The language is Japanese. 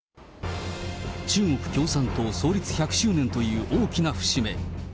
中国共産党創立１００周年という大きな節目。